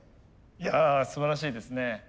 いやすばらしいですね。